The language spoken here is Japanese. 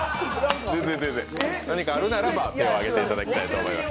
何かあるならば、手を上げていただきたいと思います。